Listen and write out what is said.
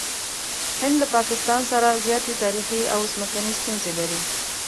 هند له پاکستان سره زیاتې تاریخي او ځمکني ستونزې لري.